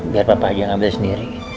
biar papa aja ngambil sendiri